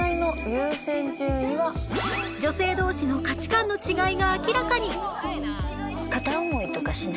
女性同士の価値観の違いが明らかに！